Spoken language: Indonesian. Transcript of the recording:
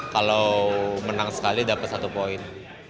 kalau menang sekali dapat satu poin